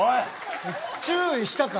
注意したから。